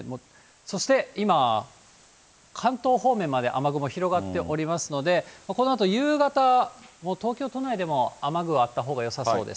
そして今、関東方面まで雨雲広がっておりますので、このあと夕方、もう東京都内でも雨具があったほうがよさそうです。